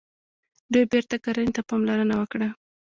دوی بیرته کرنې ته پاملرنه وکړه.